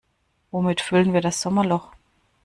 Womit füllen wir das Sommerloch?